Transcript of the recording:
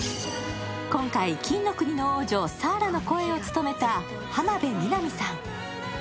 今回、金の国の王女、サーラの声を務めた浜辺美波さん。